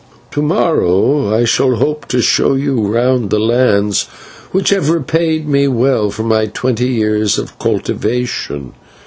"To morrow I shall hope to show you round the lands, which have repaid me well for my twenty years of cultivation.